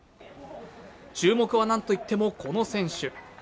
注目はなんといってもこの選手